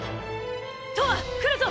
とわ来るぞ！